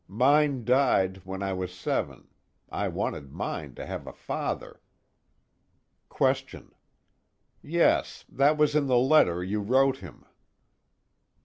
Mine died when I was seven. I wanted mine to have a father. QUESTION: Yes, that was in the letter you wrote him.